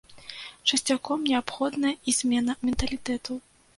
Часцяком неабходная і змена менталітэту.